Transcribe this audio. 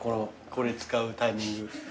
これ使うタイミング。